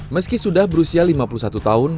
meski sudah berusia lima puluh satu tahun